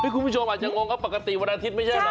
คุณผู้ชมอาจจะงงก็ปกติวันอาทิตย์ไม่ใช่เหรอ